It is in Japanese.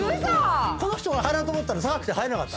この人が入ろうと思ったら高くて入れなかった。